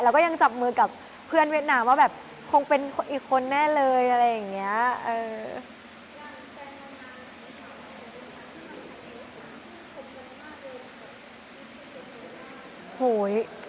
เราก็ยังจับมือกับเพื่อนเวียดนามว่าแบบคงเป็นอีกคนแน่เลย